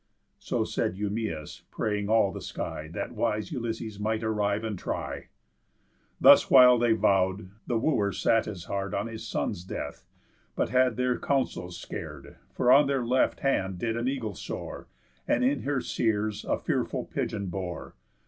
So said Eumæus, praying all the Sky That wise Ulysses might arrive and try. Thus while they vow'd, the Wooers sat as hard On his son's death, but had their counsels scar'd, For on their left hand did an eagle soar, And in her seres a fearful pigeon bore.